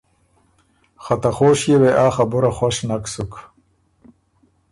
خه ته خوشيې وې آ خبُره خوش نک سُک